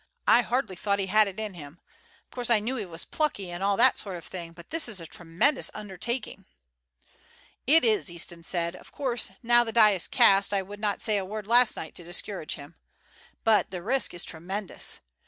I hardly thought he had it in him. Of course I knew he was plucky, and all that sort of thing; but this is a tremendous undertaking." "It is," Easton said. "Of course now the die is cast I would not say a word last night to discourage him; but the risk is tremendous.